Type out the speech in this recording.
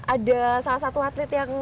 ada salah satu atlet yang